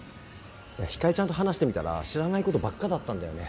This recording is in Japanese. いやひかりちゃんと話してみたら知らないことばっかだったんだよね